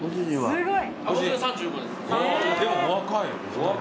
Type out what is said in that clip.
すごい。